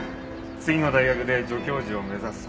次の大学で助教授を目指すさ。